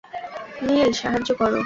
Mail, সাহায্য কর।